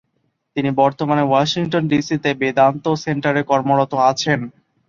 তিনি বর্তমানে Washington DC তে বেদান্ত সেন্টারে কর্মরত আছেন।